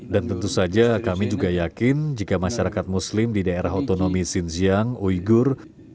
dan tentu saja kami juga yakin jika masyarakat muslim di daerah otonomi xinjiang uyghur